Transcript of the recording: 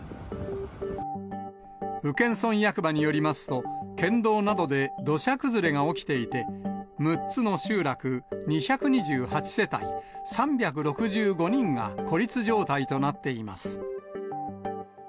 宇検村役場によりますと、県道などで土砂崩れが起きていて、６つの集落、２２８世帯３６５人が孤立状態となっています。